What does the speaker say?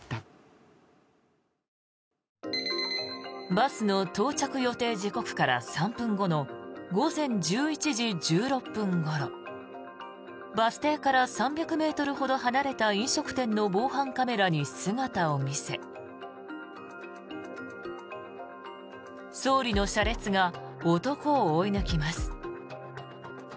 バスの到着予定時刻から３分後の午前１１時１６分ごろバス停から３００ｍほど離れた飲食店の防犯カメラに姿を見せ総理の車列が男を追い抜きます。